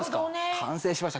完成しました。